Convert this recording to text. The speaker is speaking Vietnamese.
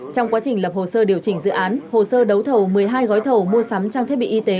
trong quá trình lập hồ sơ điều chỉnh dự án hồ sơ đấu thầu một mươi hai gói thầu mua sắm trang thiết bị y tế